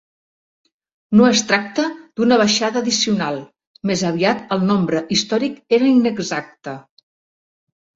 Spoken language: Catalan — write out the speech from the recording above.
No es tracta d'una baixada addicional; més aviat el nombre històric era inexacte.